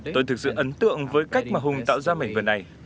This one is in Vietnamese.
tôi thực sự ấn tượng với cách mà hùng tạo ra mảnh vườn này